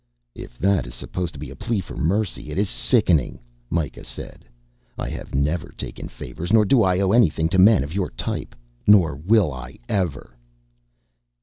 "If that is supposed to be a plea for mercy, it is sickening," Mikah said. "I have never taken favors nor do I owe anything to men of your type. Nor will I ever."